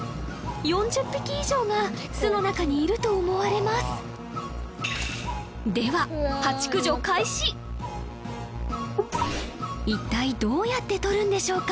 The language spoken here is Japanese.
４０匹以上が巣の中にいると思われますでは一体どうやって取るんでしょうか？